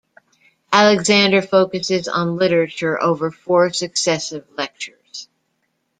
Alexander, focuses on literature over four successive lectures.